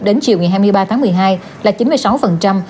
đến chiều ngày hai mươi ba tháng một mươi hai là chín mươi sáu